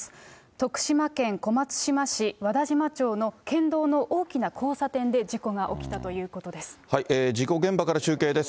徳島県小松島市和田島町の県道の大きな交差点で、事故が起きたということです。